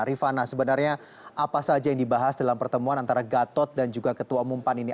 rifana sebenarnya apa saja yang dibahas dalam pertemuan antara gatot dan juga ketua umum pan ini